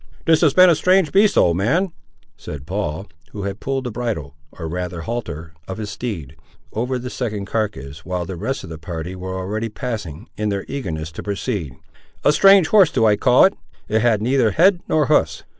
"This has been a strange beast, old man," said Paul, who had pulled the bridle, or rather halter of his steed, over the second carcass, while the rest of the party were already passing, in their eagerness to proceed; "a strange horse do I call it; it had neither head nor hoofs!"